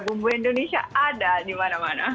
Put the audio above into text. bumbu indonesia ada dimana mana